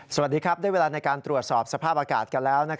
สวัสดีครับได้เวลาในการตรวจสอบสภาพอากาศกันแล้ว